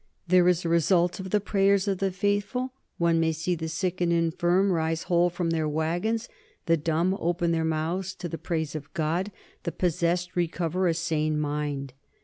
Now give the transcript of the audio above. There, as a result of the prayers of the faithful, one may see the sick and infirm rise whole from their wagons, the dumb open their mouths to the praise of God, the possessed recover a sane mind.